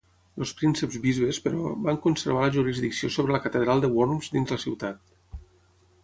Els prínceps bisbes, però, van conservar la jurisdicció sobre la catedral de Worms dins la ciutat.